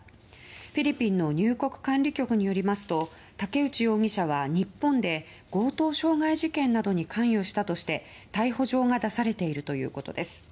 フィリピンの入国管理局によりますとタケウチ容疑者は日本で強盗傷害事件などに関与したとして逮捕状が出されているということです。